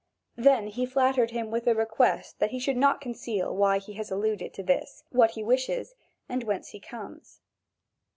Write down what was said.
Then he flattered him with the request that he should not conceal why he has alluded to this, what he wishes, and whence he comes.